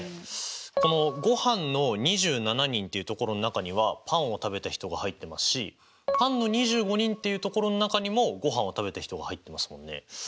このごはんの２７人っていう所の中にはパンを食べた人が入ってますしパンの２５人っていう所の中にもごはんを食べた人が入ってますもんね。